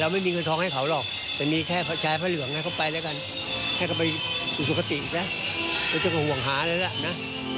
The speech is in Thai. ไม่ต้องก็ห่วงหาแล้วล่ะ